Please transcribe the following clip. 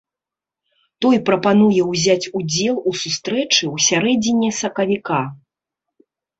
Той прапануе ўзяць удзел у сустрэчы ў сярэдзіне сакавіка.